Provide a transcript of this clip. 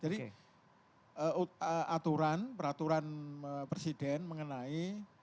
jadi aturan peraturan presiden mengenai